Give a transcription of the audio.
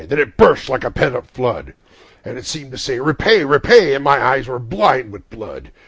then it burst like a pent up flood; And it seemed to say, "Repay, repay," and my eyes were blind with blood.